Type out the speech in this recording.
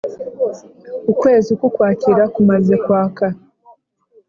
Ukwezi k'Ukwakira kumaze kwaka